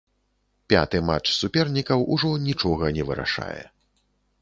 Пяты матч супернікаў ужо нічога не вырашае.